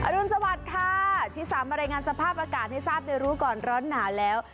รุนสวัสดิ์ค่ะชิสามารายงานสภาพอากาศให้ทราบในรู้ก่อนร้อนหนาวแล้ว